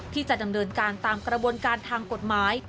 ที่จะดำเนินการตามกระบวนการทางกฎหมาย